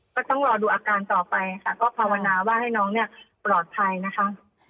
ก็ต้องรอดูอาการต่อไปค่ะก็ภาวนาว่าให้น้องเนี่ยปลอดภัยนะคะ